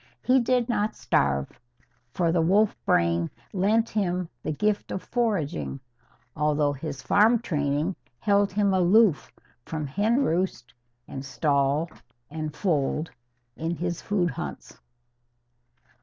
He did not starve, for the wolf brain lent him the gift of foraging; although his farm training held him aloof from hen roost and stall and fold, in his food hunts.